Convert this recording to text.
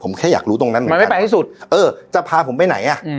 ผมแค่อยากรู้ตรงนั้นมันไม่ไปที่สุดเออจะพาผมไปไหนอ่ะ